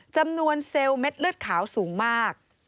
จำนวนเซลล์เม็ดเลือดขาวสูงมาก